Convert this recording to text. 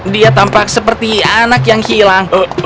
dia tampak seperti anak yang hilang